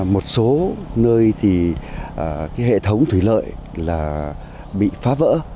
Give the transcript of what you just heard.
một số nơi thì hệ thống thủy lợi là bị phá vỡ